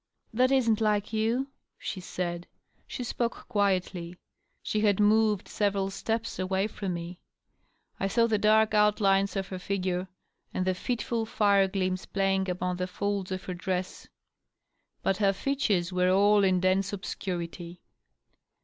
"That isn't like you," she said. She spoke quietly. She had moved several steps away from me. I saw the dark: outlines of her figure and the fitful fire gleams playing upon the folds of her dress ; but her features were all in dense obscuriiy.